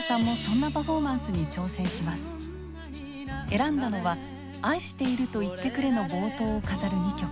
選んだのは「愛していると云ってくれ」の冒頭を飾る２曲。